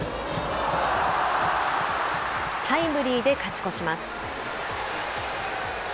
タイムリーで勝ち越します。